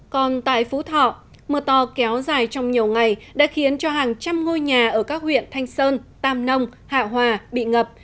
còn tại phú thọ mưa to kéo dài trong nhiều ngày đã khiến cho hàng trăm ngôi nhà ở các huyện thanh sơn tam nông hạ hòa bị ngập